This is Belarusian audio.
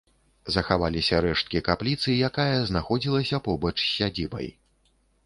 Захаваліся рэшткі капліцы, якая знаходзілася побач з сядзібай.